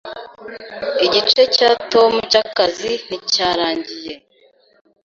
Igice cya Tom cyakazi nticyarangiye.